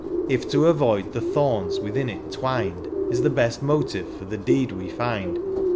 If to avoid the thorns within it twined Is the best motive for the deed we find.